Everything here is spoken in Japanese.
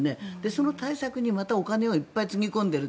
その対策にまたお金をいっぱいつぎ込んでいる。